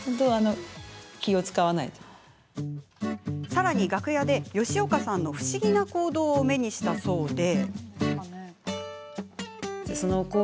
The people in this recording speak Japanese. さらに楽屋で、吉岡さんの不思議な行動を目にしたそうで。